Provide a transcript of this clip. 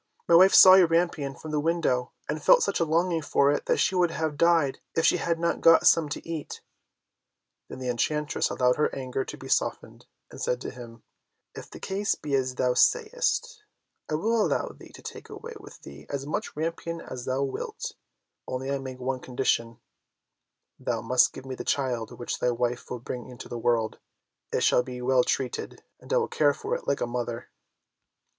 My wife saw your rampion from the window, and felt such a longing for it that she would have died if she had not got some to eat." Then the enchantress allowed her anger to be softened, and said to him, "If the case be as thou sayest, I will allow thee to take away with thee as much rampion as thou wilt, only I make one condition, thou must give me the child which thy wife will bring into the world; it shall be well treated, and I will care for it like a mother."